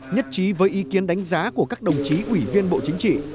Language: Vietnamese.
nhất trí với ý kiến đánh giá của các đồng chí ủy viên bộ chính trị